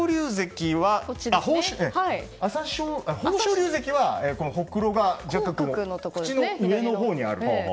豊昇龍関はほくろが若干口の上のほうにある。